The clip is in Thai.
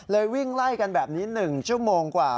วิ่งไล่กันแบบนี้๑ชั่วโมงกว่า